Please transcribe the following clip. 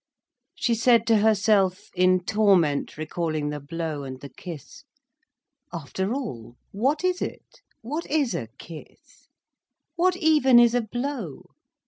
She said to herself, in torment recalling the blow and the kiss, "after all, what is it? What is a kiss? What even is a blow?